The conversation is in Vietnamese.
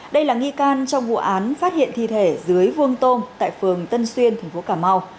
đây là nghi can trong vụ án phát hiện thi thể dưới vuông tôm tại phường tân xuyên tp cà mau